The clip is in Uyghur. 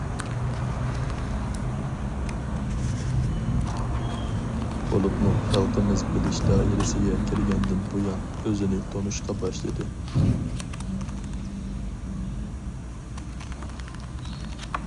بولۇپمۇ خەلقىمىز بىلىش دائىرىسىگە كىرگەندىن بۇيان ئۆزىنى تونۇشقا باشلىدى.